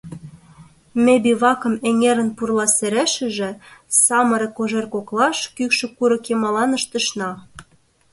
Ме бивакым эҥерын пурла серешыже, самырык кожер коклаш, кӱкшӧ курык йымалан ыштышна.